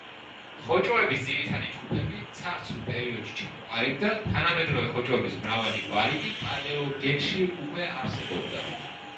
ხოჭოების ძირითადი ჯგუფები ცარცულ პერიოდში ჩამოყალიბდა, თანამედროვე ხოჭოების მრავალი გვარი კი პალეოგენში უკვე არსებობდა.